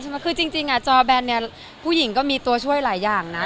คือจริงอ่ะจอแบนเนี่ยผู้หญิงก็มีตัวช่วยหลายอย่างนะ